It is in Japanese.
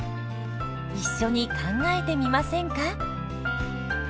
一緒に考えてみませんか？